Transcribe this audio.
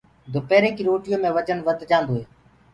دُپيري ڪي روٽيو مي وجن وڌ جآندو هي۔